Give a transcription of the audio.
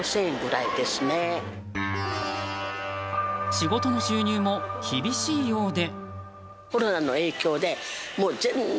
仕事の収入も厳しいようで。